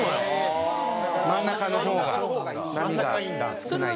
真ん中の方が波が少ない。